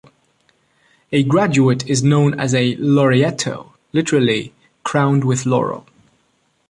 A graduate is known as a "laureato", literally "crowned with laurel.